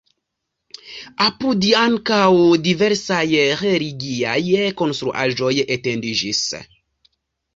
Apude ankaŭ diversaj religiaj konstruaĵoj etendiĝis.